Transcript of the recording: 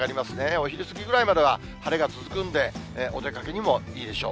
お昼過ぎぐらいまでは晴れが続くんで、お出かけにもいいでしょう。